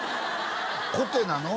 コテなの？